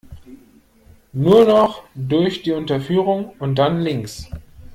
Nur noch durch die Unterführung und dann links.